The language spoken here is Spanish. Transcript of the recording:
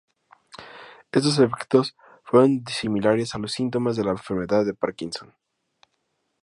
Estos efectos fueron similares a los síntomas de la enfermedad de Parkinson.